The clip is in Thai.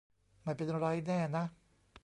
ไม่เป็นไรแน่นะ